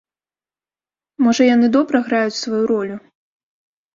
Можа, яны добра граюць сваю ролю.